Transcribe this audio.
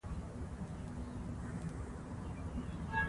د افغانستان طبیعت له نورستان څخه جوړ شوی دی.